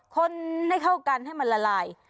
คนให้เข้ากันให้มันละลาย